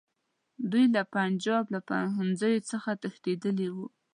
دوی له پنجاب له پوهنځیو څخه تښتېدلي ول.